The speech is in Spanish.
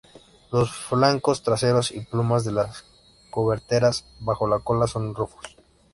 Los flancos traseros y plumas de las coberteras bajo la cola son rufos.